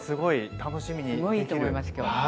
すごいいいと思います今日。